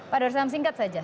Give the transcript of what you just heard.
pak dursam singkat saja